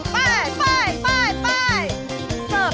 ไป